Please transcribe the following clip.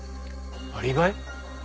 アリバイ？